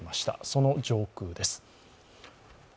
その上空です。